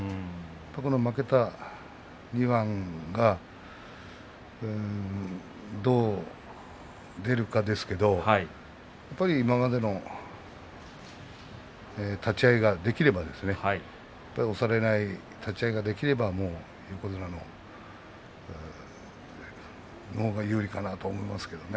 特に負けた２番がどう出るかですけどやっぱり今までの立ち合いができれば押されない立ち合いができれば横綱のほうが有利かなと思いますけどね。